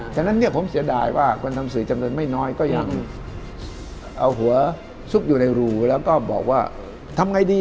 ฉะนั้นเนี่ยผมเสียดายว่าคนทำสื่อจำนวนไม่น้อยก็ยังเอาหัวซุกอยู่ในรูแล้วก็บอกว่าทำไงดี